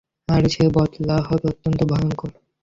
আর সে বদলা হবে অত্যন্ত ভয়ঙ্কর।